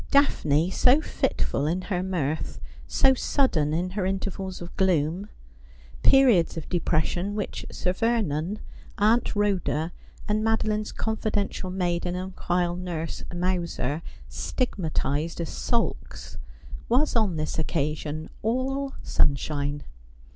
Daphne, so fitful in her mirth, so sudden in her intervals of gloom — periods of depres sion which Sir Vernon, Aunt Ehoda, and Madeline's confidential maid and umquhile nurse Mowser, stigmatised as sulks — was on this occasion all sunshine.